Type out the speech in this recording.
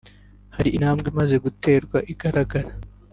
hari intambwe imaze guterwa igaragara